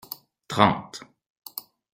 Trente.